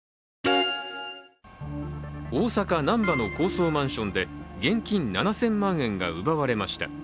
大阪・難波の高層マンションで現金７０００万円が奪われました。